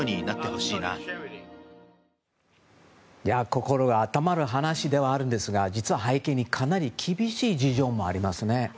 心が温まる話ではあるんですが実は、背景にかなり厳しい事情もありますね。